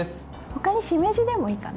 ほかにしめじでもいいかな。